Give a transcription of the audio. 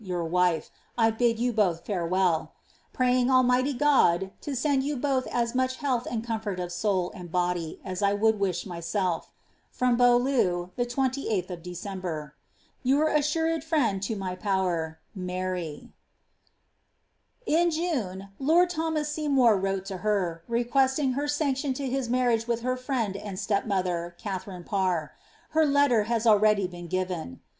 your wife, I bid you both farewell. Praying Almighty Got! to send you both as much health and comfort of soul and body, as I would wish myself. — From Beaulieu, the 28th Dec." In June, lord Thomas Seymour wrote to her, requesting her sanction to his marriage with her friend and stepmother, Katharine Parr; her letter has already been given.'